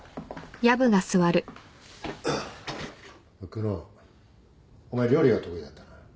久能お前料理が得意だったな。